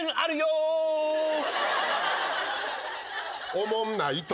おもんないと。